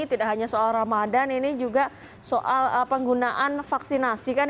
tidak hanya soal ramadan ini juga soal penggunaan vaksinasi kan